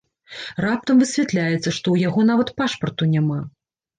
Раптам высвятляецца, што ў яго нават пашпарту няма!